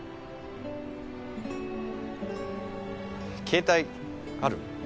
携帯ある？